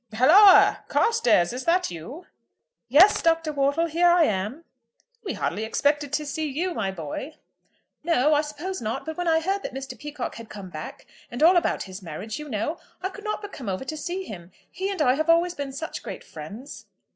"Halloa! Carstairs, is that you?" "Yes, Dr. Wortle, here I am." "We hardly expected to see you, my boy." "No, I suppose not. But when I heard that Mr. Peacocke had come back, and all about his marriage, you know, I could not but come over to see him. He and I have always been such great friends."